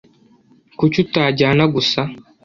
Kuki utajyana gusa?